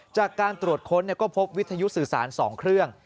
จากการตรวจค้นก็พบวิทยุสื่อสาร๒เครื่อง